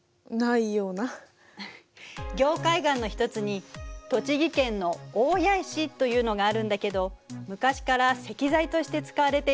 凝灰岩の一つに栃木県の大谷石というのがあるんだけど昔から石材として使われていることで有名ね。